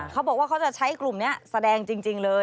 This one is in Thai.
เขาบอกว่าเขาจะใช้กลุ่มนี้แสดงจริงเลย